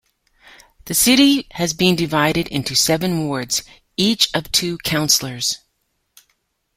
The city has been divided into seven wards, each of two councillors.